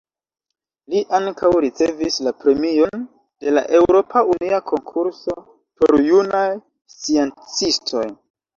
Li ankaŭ ricevis la Premion de la Eŭropa Unia Konkurso por Junaj Sciencistoj.